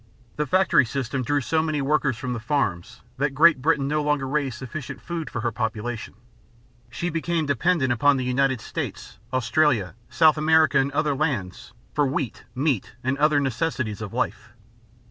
The factory system drew so many workers from the farms, that Great Britain no longer raised sufficient food for her population. She became dependent upon the United States, Australia, South America, and other lands for wheat, meat, and other necessaries of life.